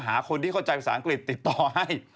หาคนที่เข้าใจภาษาอังกฤษติดต่อให้